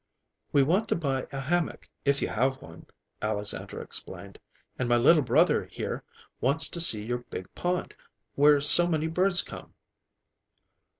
"We want to buy a hammock, if you have one," Alexandra explained, "and my little brother, here, wants to see your big pond, where so many birds come."